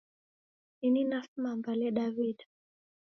Ini nafuma mbale dawida